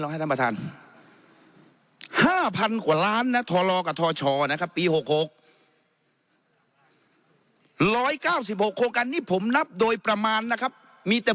หลายเก้าสิบหกโครคอันนี้ผมนับโดยประมาณนะครับมีแต่